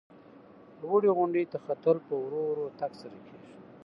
لوړې غونډۍ ته ختل په ورو ورو تګ سره کېږي.